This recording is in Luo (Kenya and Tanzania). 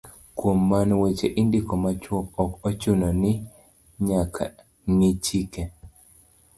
Kuom mano, weche indiko machuok, ok ochuno ni nyaka ng'i chike